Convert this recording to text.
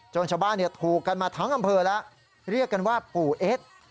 ชาวบ้านถูกกันมาทั้งอำเภอแล้วเรียกกันว่าปู่เอ็ด